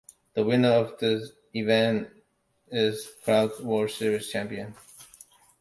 The winner of the event is crowned World Series champion.